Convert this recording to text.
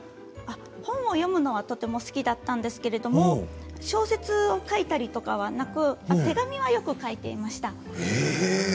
本を読むのはとても好きだったんですけど小説を書いたりとかはなく手紙をよく書いていました。